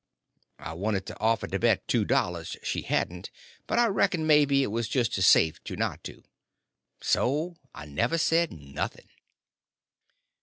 I wanted to offer to bet two dollars she hadn't, but I reckoned maybe it was just as safe to not to. So I never said nothing.